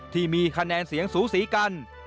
ที่มีคะแนนเสียงสูสีกัน